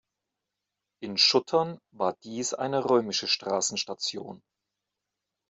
In Schuttern war dies eine römische Straßenstation.